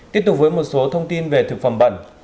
tiếp tục với một số thông tin về thực phẩm bẩn